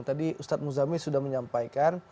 tadi ustadz muzami sudah menyampaikan